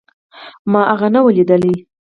ما هغه نه و ليدلى.